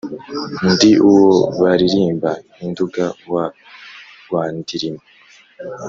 ndi uwo baririmba i nduga wa rwandirima